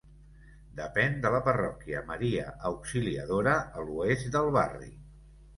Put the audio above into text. Depèn de la parròquia Maria Auxiliadora, a l'oest del barri.